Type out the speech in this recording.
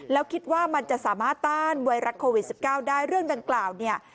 แล้วคิดว่ามันจะสามารถต้านไวรัสโควิด๑๙ได้เรื่องดังกล่าวเนี่ย